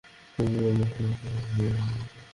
কখন সকাল হবে, নতুন জামা পরে বের হব—এ নিয়ে ছিল চিন্তা।